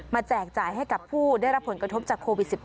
แจกจ่ายให้กับผู้ได้รับผลกระทบจากโควิด๑๙